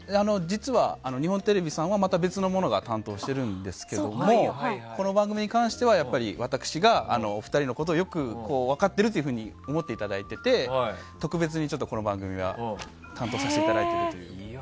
日本テレビさんはまた別の者が担当しているんですけどこの番組に関しては私が、お二人のことをよく分かっていると思っていただいていて特別にこの番組は担当させていただいているという。